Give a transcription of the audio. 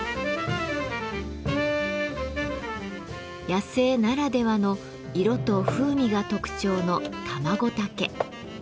野生ならではの色と風味が特徴のタマゴタケ。